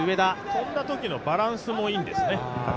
飛んだときのバランスもいいんですよね。